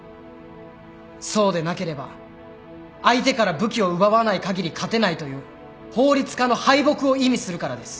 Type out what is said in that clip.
そうでなければ相手から武器を奪わないかぎり勝てないという法律家の敗北を意味するからです。